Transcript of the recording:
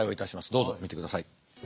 どうぞ見てください。